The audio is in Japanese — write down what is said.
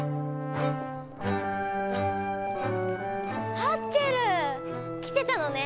ハッチェル！来てたのね！